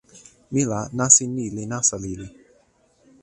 mi la nasin ni li nasa lili.